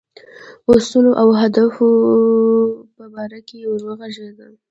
اصولو او اهدافو په باره کې وږغېږم.